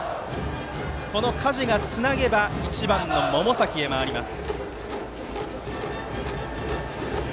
この加地がつなげば１番の百崎へ回ります。